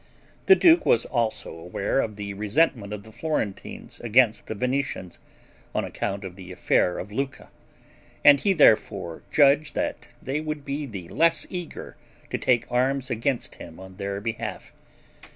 The duke was also aware of the resentment of the Florentines against the Venetians, on account of the affair of Lucca, and he therefore judged they would be the less eager to take arms against him on their behalf.